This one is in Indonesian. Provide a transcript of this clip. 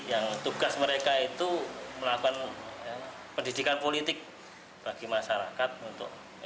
yang tugas mereka itu melakukan pendidikan politik bagi masyarakat untuk